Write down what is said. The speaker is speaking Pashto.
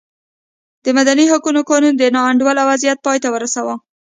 د مدني حقونو قانون دا نا انډوله وضعیت پای ته ورساوه.